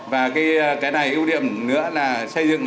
và cái này ưu điểm nữa là xây dựng